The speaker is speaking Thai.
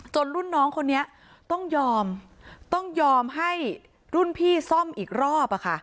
รุ่นน้องคนนี้ต้องยอมต้องยอมให้รุ่นพี่ซ่อมอีกรอบ